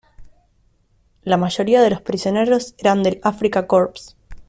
La mayoría de los prisioneros eran del Afrika Korps.